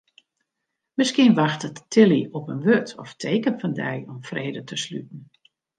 Miskien wachtet Tilly op in wurd of teken fan dy om frede te sluten.